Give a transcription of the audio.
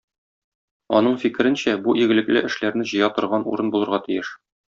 Аның фикеренчә, бу игелекле эшләрне җыя торган урын булырга тиеш.